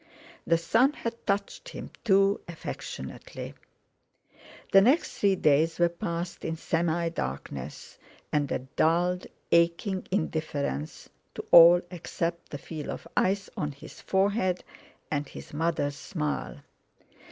The sun had touched him too affectionately. The next three days were passed in semi darkness, and a dulled, aching indifference to all except the feel of ice on his forehead and his mother's smile.